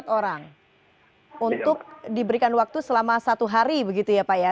empat orang untuk diberikan waktu selama satu hari begitu ya pak ya